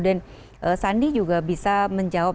dan sandi juga bisa menjawab